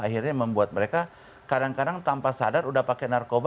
akhirnya membuat mereka kadang kadang tanpa sadar udah pakai narkoba